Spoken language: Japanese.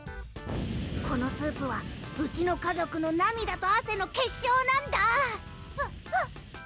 このスープはうちの家族の涙と汗の結晶なんだわっわっ